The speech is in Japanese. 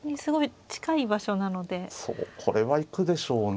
これは行くでしょうね。